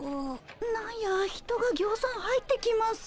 何や人がぎょうさん入ってきますなあ。